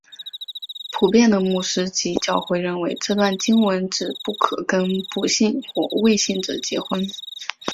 普遍的牧师及教会认为这段经文指不可跟不信或未信者结婚。